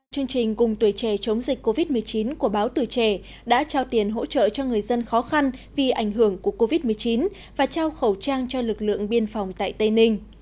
chương trình cùng tuổi trẻ chống dịch covid một mươi chín của báo tuổi trẻ đã trao tiền hỗ trợ cho người dân khó khăn vì ảnh hưởng của covid một mươi chín và trao khẩu trang cho lực lượng biên phòng tại tây ninh